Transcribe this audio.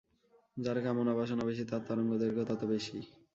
যার কামনা-বাসনা বেশি তার তরঙ্গ-দৈর্ঘ্য তত বেশি।